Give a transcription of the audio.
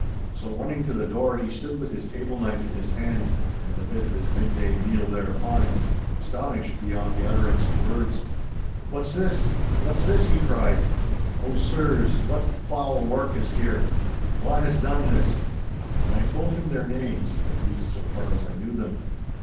So running to the door he stood with his table knife in his hand and a bit of his mid day meal thereupon, astonished beyond the utterance of words. 'What's this? What's this?' he cried. 'Oh, sirs, what foul wark is here? Wha has done this?' And I told him their names—at least so far as I knew them.